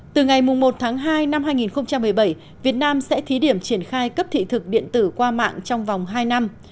từ ngày một tháng hai năm hai nghìn một mươi bảy việt nam sẽ thí điểm triển khai cấp thị thực điện tử qua mạng trong vòng hai năm